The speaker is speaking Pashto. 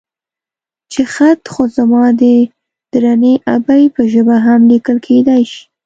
چې خط خو زما د درنې ابۍ په ژبه هم ليکل کېدای شي.